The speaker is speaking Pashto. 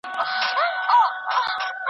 خپلو پیروانو ته یوازي عقدې مه انتقالوي.